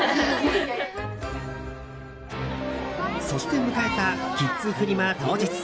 そして迎えたキッズフリマ当日。